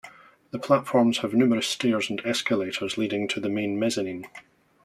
The platforms have numerous stairs and escalators leading to the main mezzanine.